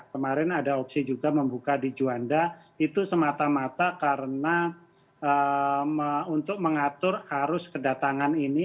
kemarin ada opsi juga membuka di juanda itu semata mata karena untuk mengatur arus kedatangan ini